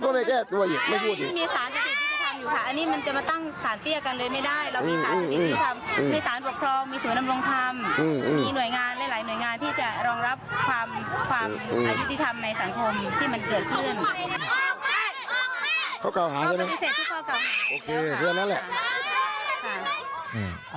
โอเคเรื่องนั้นแหละ